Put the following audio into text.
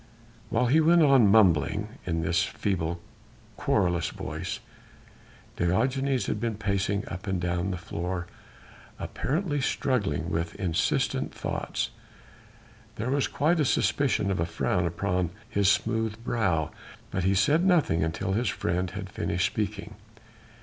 While he went on mumbling in his feeble querulous voice, Diogenes had been pacing up and down the floor apparently struggling with insistent thoughts. There was quite a suspicion of a frown upon his smooth brow, but he said nothing until his friend had finished speaking.